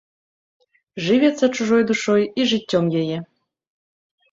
Жывяцца чужой душой і жыццём яе!